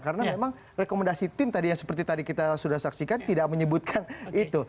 karena memang rekomendasi tim tadi yang seperti tadi kita sudah saksikan tidak menyebutkan itu